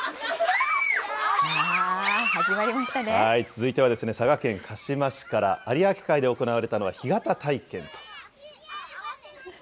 続いては、佐賀県鹿島市から、有明海で行われたのは、干潟体験。